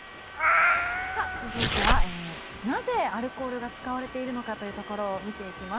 続いてはなぜアルコールが使われているのかというところを見ていきます。